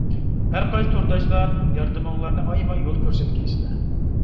ھەرقايسى تورداشلار ياردىمىڭلارنى ئايىماي يول كۆرسەتكەيسىلەر.